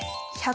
１００。